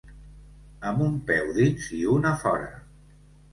Amb un peu dins i un a fora.